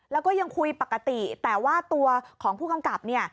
แล้วก็ยังคุยปกติแต่ว่าตัวของผู้กำกับเนี่ย